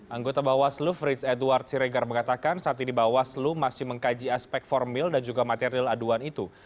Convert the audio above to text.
anggota bawaslu fritz edward siregar mengatakan saat ini bawaslu masih mengkaji aspek formil dan juga material aduan itu